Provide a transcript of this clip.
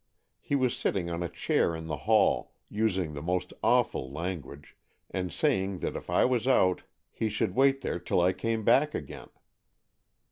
He was sitting on a chair in the hall, using the most awful language, and saying that if I was out he should wait there till I came back again.